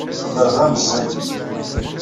Baba meẓẓiy.